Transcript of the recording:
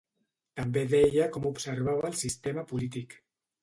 També deia com observava el sistema polític.